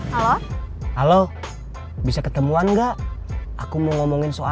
halo halo bisa ketemuan enggak aku mau tembakan dengan pak jokowi